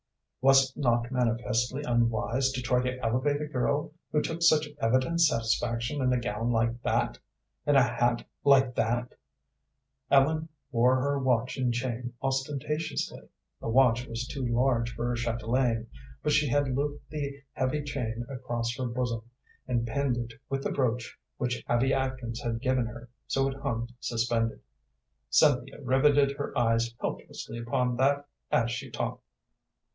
Was it not manifestly unwise to try to elevate a girl who took such evident satisfaction in a gown like that, in a hat like that? Ellen wore her watch and chain ostentatiously. The watch was too large for a chatelaine, but she had looped the heavy chain across her bosom, and pinned it with the brooch which Abby Atkins had given her, so it hung suspended. Cynthia riveted her eyes helplessly upon that as she talked.